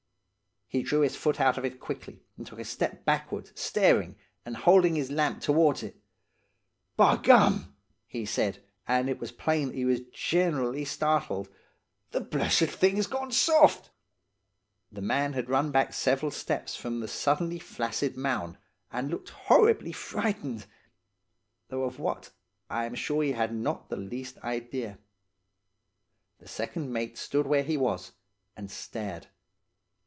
"He drew his foot out of it quickly, and took a step backward, staring, and holding his lamp towards it. 'By gum,' he said, and it was plain that he was generally startled, 'the blessed thing's gone soft!' "The man had run back several steps from the suddenly flaccid mound, and looking horribly frightened. Though of what, I am sure he had not the least idea. The second mate stood where he was, and stared.